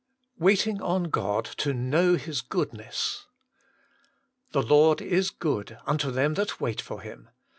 WAITING ON GOD : ^0 know 1bt6 (3oo&ne60» 'The Lord is good unto them that wait for Him.